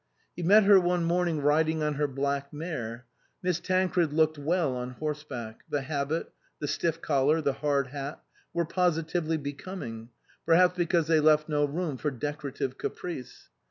He met her one morning riding on her black mare. Miss Tancred looked well on horseback ; the habit, the stiff collar, the hard hat, were positively becoming, perhaps because they left no room for decorative caprice.